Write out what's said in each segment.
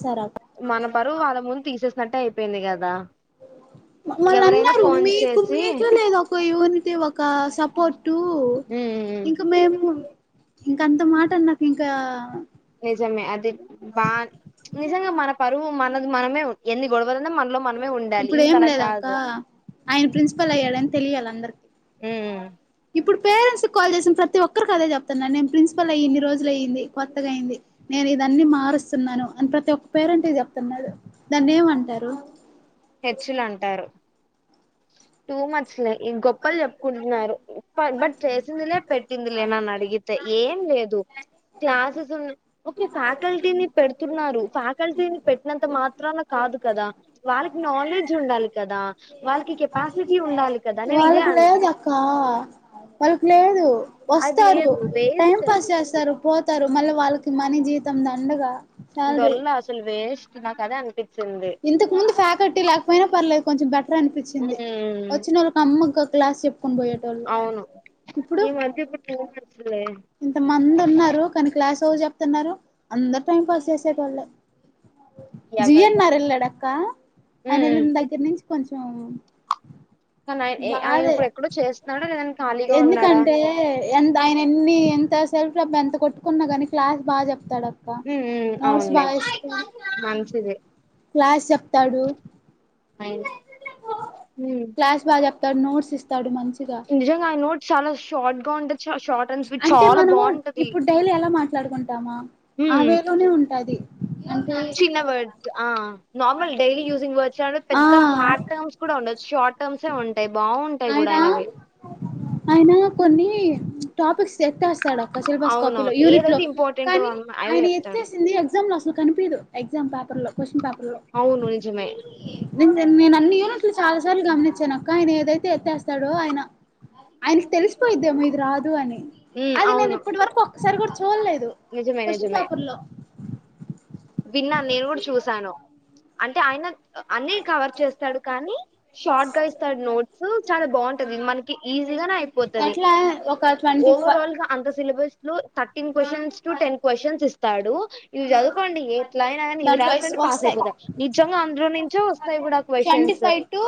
సరే మన పరువు వాళ్ళ ముందు తీసేసినట్టే అయిపోయింది కదా ఎవరైనా ఫోన్ చేసి ఉమ్ ఇంకంత మాట అనాకా దా నిజమే అది బా నిజంగ మన పరువు మనది మనమే ఎన్ని గొడవలు ఉన్నా మనలో మనమే ఉండాలి ఇప్పుడు వీళ ఏం అల లేదు అక్క కాదు ఆయన ప్రిన్సిపల్ అయ్యాడని తెలియాల అందర ఉమ్ ఇప్పుడు పేరెంట్స్ కి కాల్ చేసిన ప్రతి ఒక్కరికి అదే చెప్తున్నా నే ప్రిన్సిపల్ అయ్యి ఇన్ని రోజులుఅయ్యింది కొత్తగా అయింది నేను దాన్ని మారుస్తున్నాను అని ప్రతి ఒక్క పేరెంట్ చెప్తున్నాడు దాన్నేమంటారు హెచ్చులు అంటారు. టూ మచ్ అలే గొప్పలు చెప్పుకుంటున్నారు బట్ చేసిందిలే పెట్టిందిలే నన్ను అడిగితే ఏం లేదు క్లాసెస్ ఎ విన్ ఒక్ ఫ్యాకల్టీని పెడుతున్నారు ఫ్యాకల్టీని పెట్టినంత మాత్ మాత్రాన కాదు కదా వాళ్ళకి నాలెడ్జ్ ఉండాలి కదా వాళ్ళకి కెపాసిటీ ఉండాలి కదా నేను ఇదే వాళ్ళకి అంటా లేదు అక్క వాళ్ళకి లేదు అది వస్తారు లేదు టైం వేస్ట్ పాస్ అది చేస్తారు పో తారు మళ్ళ వాళ్ళకి మనీ జీవితం దండగా శాలరీ డొల్లా అసలు వేస్ నాకదే అనిపిస్ ఇంతకు ముందు ఫ్యాకట్టి లేకపోయినా పర్లేదు కొంచె బె టర్ అనిపిచ్చింది ఉమ్ వచ్చినోళ్ళకి అమ్మగ్ క్లాసిప్ కొన్ బోయేటోళ్ళు అవును ఇప్పుడు ఈ మధ్య ఇప్పుడు టూ మంత్స్ లే ఇంత మంది ఉన్నారు కానీ క్లాస్ ఓ జొ తన్నారు అందరూ టైం పాస్ చేసేటోళ్లే య యా న్నారు వెల్ళాడక్క ఆయన వెళ్ళిన దగ్గర నుంచి కొంచెం కానీ ఆయ ఆయన బాదే ఇప్పుడు ఎక్కడో చేస్తున్నాడా లేదని ఖాళీగా ఉన్నాడా ఎందుకంటే ఎంత ఆయన ఎన్ని ఎంత సెల్ఫ బంత కొట్టుకున్నా గాని క్లాస్ బా జెప్ తడొక్క ఉమ్ ఉమ్ నోర్స్ బా అవునులే ఇస్తాడు మంచిది క్లాస్ చెప్తాడు అయినా ఉమ్ క్లాస్ బా చెప్తాడు నోట్స్ ఇస్తాడు మంచి నిజంగా ఆయన నోట్ చాలా షార్ట్ గా ఉంటది షార్ట్ అండ్ స్వీట్ అంటే చాలా బావుంటది. టామా ఆ వేలోనే ఉంటాది అంటే చిన్న వర్డ్ ఆ నార్మల్ డైలీ యూజింగ్ వర్డ్స్ ఆ పెద్ద హార్డ్ టర్మ్స్ కూడా ఉండవ్ షార్ట్ టర్మ్ సే ఉంటయ్ బాగుంటాయి గూడా ఆయన అయినవి. ఆయన కొన్ని టాపిక్స్ ఎత్తేస్తాడు ఒక సిలబస్ కాపీ లో యూనిట్ లో ఏదైతే ఇంపార్టెంట్ కానీ అవే ఆయన చెప్తాడు ఎత్తేసింది ఎగ్జామ్ లో అస్ నువ్ కనిపిదు ఎగ్జామ్ పేపర్ లో కొశ్విన్ పేప్ అవును నిజమే నేన్ నన్ నేను అన్ని యూనిట్లు చాలా సార్లు గమనించాను కానీ ఇది ఏదైతే ఎత్తేస్తాడో ఆయన ఆయనకి తెలిసిపోయిద్దేమో ఇది రాదు అని హ్మ్ అది నేను అవును ఇప్పటి వరకు ఒక్కసారి కూడా చూడలేదు క్వశ్చన్ పేపర్ లో విన్నాన్ నేను గూడు చూసా అంటే ఆయన అన్ని కవర్ చేస్తాడు కానీ షార్ట్ గా ఇస్తాడు నోట్స్ చాలా బాగుంటది మనకి ఈజీగానే అయిపోతది. ఎట్లా ఒక ట్వంటీ ఫైవ్ ఓవరాల్ గా అంత సిలబస్ లో thirteen question to ten questions ఇస్తాడు ఇవి జద్ కోండి ఎట్లా అయినా గాని ఇవి దాంట్లో రాస్ రండి పాస్ వస్తాయి అయిపోతా నిజంగా అందులో నుంచు వస్తాయి గూడా twenty questions five to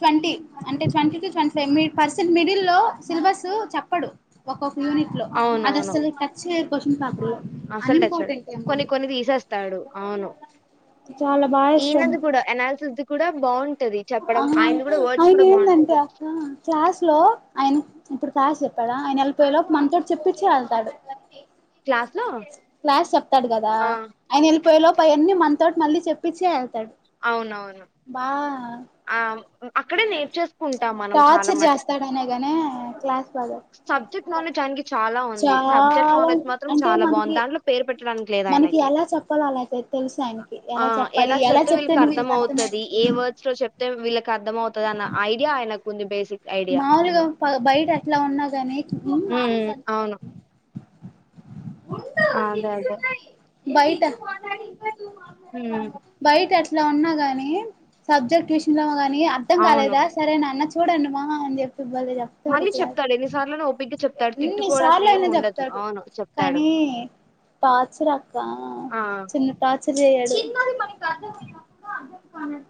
twenty అంటే twenty five mid percent middle లో సిలబస్స్ చెప్పడు ఒక్కొక్ యూనిట్ లో అది అవునవును అస్సలు టచ్ చేయడు క్వశ్చన్ పేపర్ లో అసలు తెచ్చాడు అన్ఇంపార్టెంట్ ఏమో కొన్ని కొన్ని తీసేస్తాడు అవును చాలా బాగా ఇస్తాను ఈయనది కూడా అనాలిసిస్ ది కూడా బాగుంటది చెప్పడం ఆ ఆయనది కూడా వర్డ్స్ అయిన కూడా బాగుంటది ఏందంటే అక్క క్లాస్ లో అయిన్ ఇప్పుడు పాశే కదా ఆయన వెళ్ళిపోయే లోపు మనతో చెప్పిచ్చి వెళ్తాడు క్లాస్ లో తాడు గదా ఆ ఆయన వెళ్ళిపోయే లోపు ఏయె అన్ని మన్ తోటి మళ్ళీ చెప్పిచ్చే వె తాడు బా ఆం అక్కడే నేర్చేసుకుంటాం మనం చాలా టార్చర్ మటుకు చేస్తాడనే గానే క్లాస్ బాగా సబ్జెక్ట్ నాలెడ్జ్ ఆనికి చాలా ఉంది చాలా సబ్జెక్ట్ నాలెడ్జ్ మాత్రం అంటే చాలా మనకి బాగుంది దాంట్లో పేరు పెట్టడాని మనకి ఎలా చెప్పాలో అలా తెలుసు ఆయనకి ఎలా చెప్పాలి ఎలా చెప్తే వీళ్ళకి అర్థమయితది తే వీళ్ళకి అర్థమవుతది అన్న ఐడియా ఆయనకు ఉంది బేసిక్ ఐడియా మాములుగా అవును బయట ఎట్లా ఉన్నా కాని ఉమ్ అవును అదే అదే బయట ఉమ్ బయట అట్ల ఉన్నా గాని సబ్జెక్ట్ విషయంలో కాని మీ అర్థం అవును కాలేదా సరే నా అన్న చె ఉడను మాహా అండి చెప తు బలే చెప్తాడు మళ్ళీ క్లాస్ చెప్తాడు ఎన్నిసార్లునో ఓపిగ్గా చెప్తాడు ఉమ్ తిట్టుకోడు అసలు ఎన్నిసార్లు ఏం అయిన ఉండదు చెప్తాడు అవును చెప్తాడు కనీ టార్చర్ అక్క ఆ చిన్న టార్చర్ చేయడు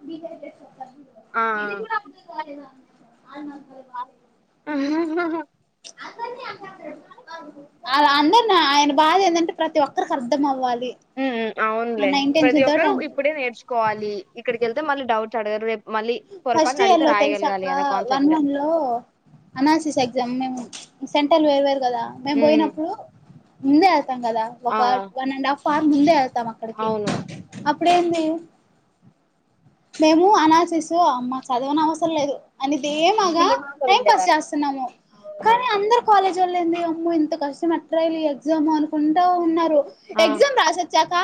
బీటెక్ చేసాన్ ఆ హుమ్ ఆ అ అందరిని ఆయన బాధ ఏంటంటే ప్రతి ఒక్కరికి అర్థం అవ్వాలి ఉమ్ అవునులే ఆ నా ప్రతి ఇంటెన్షన్ తోటి ఒక్కరు అంటారు. ఇప్పుడే నేర్చుకోవాలి ఇక్కడికిెళ్ితే మళ్ళీ డౌట్స్ అడగరు రేపు మళ్ళీ పొరపాటున అడిగితే రాయగలగాలి అన మ కాన్సెప్ట్ అందులో అనాసిస్ ఎక్జామ్ సెంట్రల్ వేర్ వేర్ కదా మేమ్ ఉమ్ పోయినప్పుడు ఉంద ఉంటుం కదా ఆ ఒక వన్ అండ్ ఆఫ్ పార్ ముందే చూస్తామ్ అక్కడెకి అవును అప్పు ఇప్పుడేంది మేము అనాసిస్ థూ అమ్మ చదివనాక్ వస్ తోల్లెదు తేమగా తీమాతో టైం పాస్ వెళ్ళేవారు చేస్తున్నాము కానీ అందరు కాలేజ్ చల్లేంది అమ్మె ఇంత కష్టం ఎట్ల రాయాలి ఈ ఎగ్జామ్ అనుకుంటా ఉన్నారు ఆ ఎక్జామ్ రాసొచ్చాక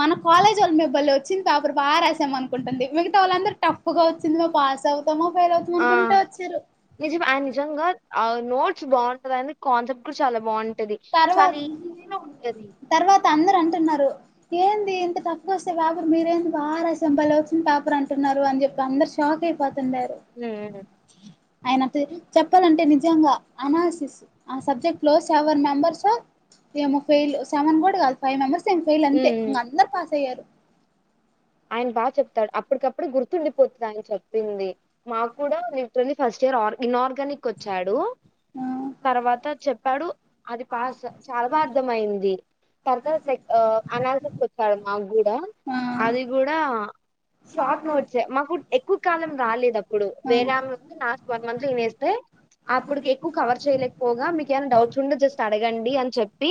మన కాలేజ్ వాళ్ళు మె భలె వచ్చింది పేపర్ బాగాసామ అనుకుంటుంది మిగతా వాళ్ళందరు టఫ్ గా వచ్చింది మేము పాస్ అవుతాము ఆ నిజమె నిజంగా నోట్స్ బాగుంటది అని కాన్సెప్ట్ చాలా బాగుంటది తర్వాత చాలా ఈజీ గనే ఉంటది తర్వాత అందరు అంటున్నారు ఏంది ఇంత తఫ్గా వస్తే పేపర్ మీరేంది బాగా రాస్తాం వచ్చిన పేపర్ అంటున్నారు అని చెప్పి అందరు షాక్ అయిపోతు హూ ఉమ్ ఆయన అతి చెప్పాలంటే నేను నిజంగా అనాలిసిస్ ఆ సబ్జెక్ట్ లో సెవెన్ మెంబర్స్ ఏమో ఫెయిల్ సెవెన్ కూడా కాదు ఫైవ్ మెంబెర్స్ అంతె ఫెయిల్ అంతే ఉమ్ అందరు పాస్ అయ్యారు ఆయన బాగా చెప్తాడు అ అప్పటికప్పుడు గుర్తుండిపోతుందిని చెప్పింది మాకు కూడా వటిని ఫస్ట్ దేర్ ఆర్ ఇన్ర్గానిక్ ఒచ్చాడు ఆ తర్వాత చెప్పాడు అది పాస్ చాలా బా అర్థ అయింది తర్వాత సెక్ ఆ అనాలిసిస్ వచ్చాడు మాకు కూడా ఆ అది కూడా షార్ట్ నోట్స్ మాకు ఎక్కువ కాలం పుస్తకాలను రాలేదు అప్పుడు వేరే ఆమె నాస్ మంత అతే ఆ అప్పుడుకి ఎక్కువ కవర్ చేయలేకపోగా మీకు ఏమైనా డౌట్స్ ఉండో జస్ట్ అడగండి అని చెప్పి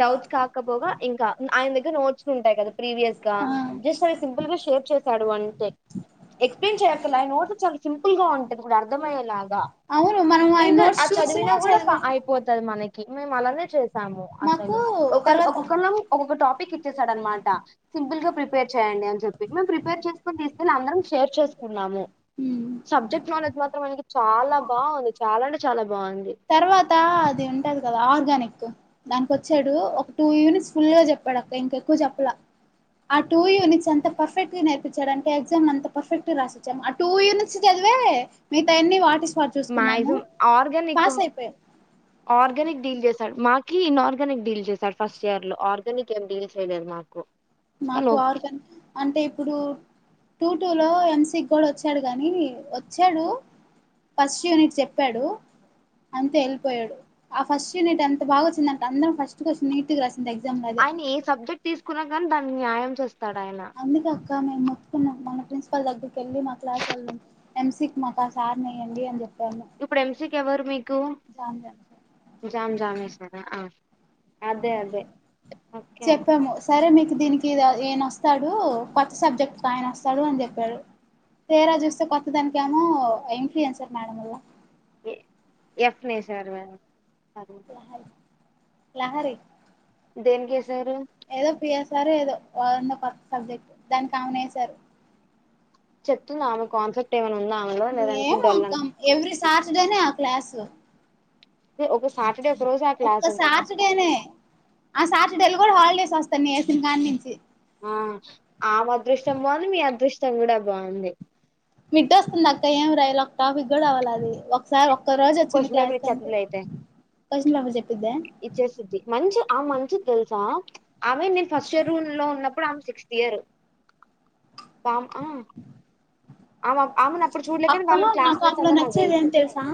డౌట్స్ కాకపోగా ఇంకా ఆయన దగ్గర నోట్స్ ఉంటాయి కదా ప్రీవియస్ గా యస్ సార్ సింపుల్ గా షేర్ చేశాడు అంటే ఎక్స్ ప్లాయిన్ చేయకర్ల ఆ నోట్స్ చాలా సింపుల్ గా ఉంటాది ఇప్పుడు అర్థమయ్యేలాగా అవును మనం ఆయన ఇంకా ఆ నోట్స్ చూసినా చదివినా కూడా చదివేస్తాం అయిపోతుది మనకి మేము అలానే చేసాము నాకు అసలు ఒక తర్వాత ఒక్కళం ఒక్కొక్క టాపిక్ ఇచ్చేసాడు అనమాట సింపుల్ గా ప్రిప సండే అని చెపి నువ్ ప్రిపేర్ చేసి తీస్కోకొని అందరం షేర్ చేసుకుందాము మ్మ్ సబ్జెక్టు నౌలెడ్జి మాత్రం ఆయనకు చాలా బాగుంది చాలా అంటే చాలా బాగుంది తర్వాత అది ఉంటది కదా ఆర్గానిక్ దాకొచ్చాడు ఒక టూ యూనిట్స్ ఫుల్ గా చెప్పాడు అక్క ఇంక ఎక్కువ చెప్పలా ఆ టూ యూనిట్స్ అంత పర్ఫెక్ట్ గా నేరపిచ్చాడంటే అంటే ఎగ్జామ్ అంత పర్ఫెక్ట్ గా రాసిచ్చాం ఆ టూ యూనిట్స్ చదివే మిత అన్ని వాటి స్పాట్ చూసుకున్నాము మైజమ్ ఆర్గ పాస్ మీకుమ్ అయిపోయాం ఆర్నిక్ డీల్ చేస్తాడు మా కి ఇనర్గనిక్ డిల్ చేశాడు ఫస్ట్ ఇయర్ లో ఆర్గానిక్ ఏం డీల్ చేయలేదు మాకు కు మాకు ఆర్గానిక్ అంటే ఇప్పుడు టూ టూ లో ఎంసి కూడా వచ్చాడు గాని వచ్చాడు ఫస్ట్ యూనిట్ చెప్పాడు అంతే వెళ్ళిపోయాడు ఆ ఫస్ట్ యూనిట్ ఎంత బాగా వచ్చిందంటే అందరం ఫస్ట్ క్వశ్చన్ నీట్ గా రాసా ఆయన ఏ సబ్జెక్ట్ తీసుకున్నా కానీ దాని న్యాయం చెస్ తడు ఆయన అందుకే అక్క మేము మొప్పుకున్నాం మన ప్రిన్సిపాల్ దగ్ వెళ్లి మా క్లాస్ వొళ్ళోమ్ ఎంసికి మాక సార్ నెయ్యండి అని చెప్ ఇప్పుడు ఎంసికి ఎవరు మీకు జాన్ జాన్ జామ్ జామ్ వేసారా అదే అదే ఓకే చెప్పాము సరే మీకు దీనికి ఇద ఏనా వస్తాడు కొత్త సబ్జెక్ట్ ఆయన వస్తాడు అని చెప్పాడు తేరా చూస్తే కొత్త దానినికి ఏమో ఏం ఫీ ఎన్సార్ మేడంలా ఎఫ్నే సర్ గా యా హాయ్ లహరి దేనికెసారు సరే ఏదో కొత్త సబ్జెక్ట్ దానికి ఆయన ఎసారు చెప్తుందా ఆమె కాన్సెప్ట్ ఏమైనా ఉందా ఆమెలో లేదంటే ఏమో డొల్ అక్క అని ఎవ్రీ శాటర్డే నే ఆ క్లాస్ ఒక సాటర్డే ఒక రోజు ఆ ఒక్క క్లాస్ ఉంటదా సాటర్డే నే ఆ సాటర్డేలు కూడ హాలిడే వస్తా న ఏ సినికాని నుంచి ఆమ్ అదృష్టం బాగుంది మీ అదృష్టం మచ్చం కూడా బాగుంది మిడ్డ వస్తుంది అక్క ఏం రాయాల ఒక టాప్ కూడా అవ్వాలది ఒకసారి రోజు వచ్చింది కొషన్ పేపర్ క్లాస్ కంటే ఇచ్చేతులే అయితే, క్వశ్చన్ పేపర్ చెప్పిద్దా ఇచ్చేస్తుద్ది మంచి ఆమె మంచిది తెలుసా, ఆమె నేను ఫస్ట్ ఇయర్ లో ఉన్నప్పుడు ఆమె సిక్స్త్ ఇయర్ కామ్ ఆ ఆమె ఆమెను అప్పుడు చూడలే కానీ అక్క వాళ్ళ లో నాకు క్లాస్మేట్స్ అట్ల అందరు నాకు నచ్చేది ఏం తెలుసు తెలుసా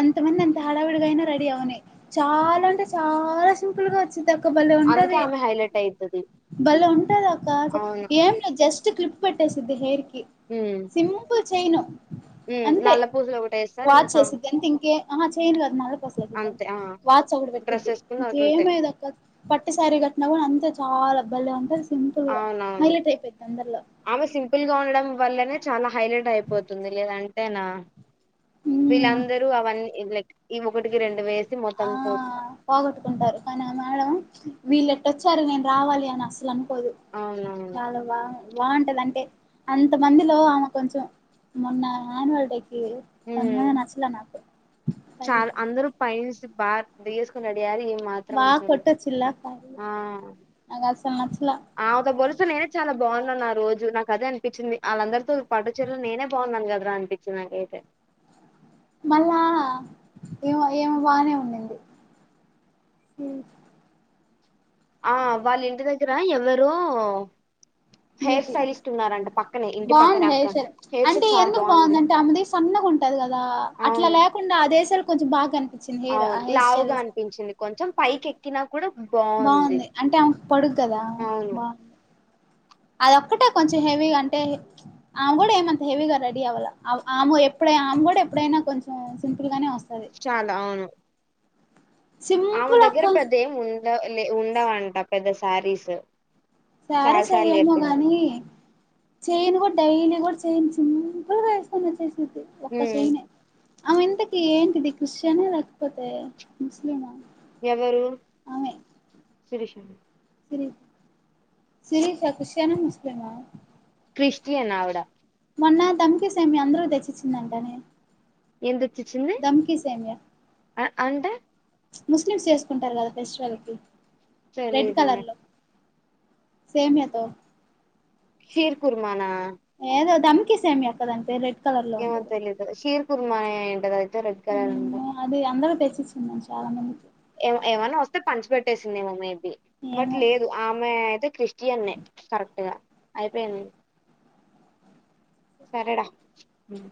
ఎంత మంది అంత హడావిడిగయినా రెడీ అవ్వని చాలా అంటే చాలా సింపుల్ గా వచ్చి తక్క బలే అందుకే ఉంటది ఆమె హైలైట్ అయితది బలే ఉంటది అక్క అవును ఏమి జస్ట్ క్లిప్ పెట్టే సిద్ధ హేరికి ఉమ్ సింపుల్ చైను ఉమ్ అంతే నల్ల పూసలు ఒకటి వేస్తారు వాచ్ ఇంకా ఏసిద్ది అంతే ఇంకే ఆ చైన్ లేదు నళ పస అ అంతే ఆ వాచ్ ఒకడ డ్రెస్ పెట్ద్ది, వేసుకుని అంతే ఇంకేమయద అక్క పట్టుసారి కట్ నవ్వు అంతే చాలా బలే ఉంటది సింపుల్ గా అవునవును హైలైట్ అయిపోయిద్ది అందరిలో ఆమె సింపుల్ గా ఉండడం వల్లనే చాలా హైలైట్ అయిపోతుంది లేదం తేనా ఉమ్ వీళ్ళందరూ అవన్నీ ఈ లైక్ ఈ ఒకటికి రెండు వేసి ఆ మొత్తం పోతు వీళ్ళ ఎట్టొచ్చారు నేను రావాలి అని అసలు అనుకోదు, అవునవును చాలా బా బాగుంటది అంటే, అంత మందిలో ఆమె కొంచెం మొన్న అన్వాల్ డే కి ఉ చాలా అందరూ పై ఇం దిగేసుకుని రెడీఅరు ఏం మాత్రమా బాగా అసలు కొట్టొచ్చిల్లా కానీ ఆ నాకు అసలు నచ్చలా ఆమెతో పోలిస్తే నేనే చాలా బాగున్నాను ఆ రోజు నాకు అదే అం పించింది వాళ్ళందరితో పట్టు చీరలో నేనే బాగున్నాను కదా రా అనిపి చి నాకైతే మళ్ళా ఇమ ఇమ బానే ఉంది హ్మ్ ఆ వాళ్ళ ఇంటి దగ్గర ఎవ రూ ఇంటి బాగుంది పక్కనే అక్క హెయిర్ స్టైల్ హెయిర్ అంటే స్టైల్ చాలా ఎందుకు బాగుంది అంటే ఆమె ది సన్నగా ఉంటది కదా అట్లా అవును లేకుండా అదేశాలు కొంచెం బాగా కనిపించింది హెయిర్ ఆ అవును హెయిర్ స్టైల్ లావుగా అనిపించింది కొంచెం పైకి ఎక్కినా కూడా బాగుంది అంటే ఆమెకు పొడుగు అవును అదోక్కటే కొంచెం హెవీగా అంటే ఆమె కూడా ఏమంత హెవీగా రె రెడీ అవల ఆమె ఆమె ఎపుడు ఆమె కూడా ఎప్పుడైనా కొంచెం సింపుల్ గానే వస్తు చాలా అవును ఆమె సింపుల్ దగ్గర అక్క పెద్ద ఏం ఉండ లే ఉండవంట పెద్ద శారీస్ చాలా శారీస్ సార్లు ఆయ్యమో చెప్పింది గాని చైన్ కూడా డైలీ కూడా చైన్ సింపుల్ గా వేసుకోని వచ్చేసి ఒక్క ఉమ్ చైన్ఏ ఆమె ఇంతకి ఏంటిది క్రిస్టియనే లేకపోతే ముస్లిమా ఎవరు ఆమె శిరీష సిరి శిరీష క్రిస్టియన్ ఆ ముస్లిం ఆ క్రిస్టియన్ అవిడ తమ్కి సేమియా అందరికీ తెచ్చిచ్చిందంట నే ఎందు దమ్కి సేమ్య అంటే ముస్లిమ్స్ చేసుకుంటారు కదా ఫెస్టివల్ కి తెలీదు నా సేమ్యా తో కీర్ కుర్మానా తమ్కి సేమ్మా అక్క దానిపేరే ఏమో తెలీదు శీర్ కుర్మా ఏ టదై మ్ ఓ అది అందరూ తెచ్చిచ్చిందని చె కణం ఏం ఏమైనా వస్తే పంచి పెెట్టేసిందేమో మేబి బట్ ఏమో లేదు ఆమె అయితే క్రిస్టియన్ కరెక్ట్ గా అయిపోయింద సరేడా హమ్